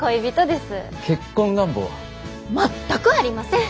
全くありません！